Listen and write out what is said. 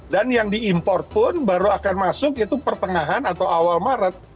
dan yang diimpor pun baru akan masuk itu pertengahan atau awal maret